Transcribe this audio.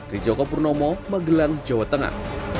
rijoko purnomo magelang jawa tengah